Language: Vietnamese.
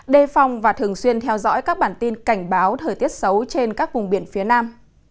đề phòng và thường xuyên theo dõi các bản tin cảnh báo thời tiết xấu trên các vùng biển phía nam